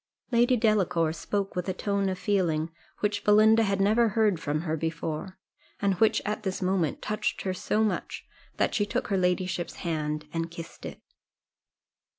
Lady Delacour spoke with a tone of feeling which Belinda had never heard from her before, and which at this moment touched her so much, that she took her ladyship's hand and kissed it.